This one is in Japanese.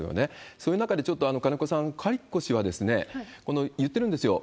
そういう中で、ちょっと金子さん、カリコ氏は、言ってるんですよ。